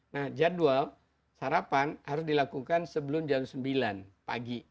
nah jadwal sarapan harus dilakukan sebelum jam sembilan pagi